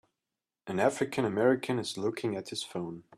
An African american is looking at his phone.